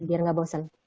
yang gak bosen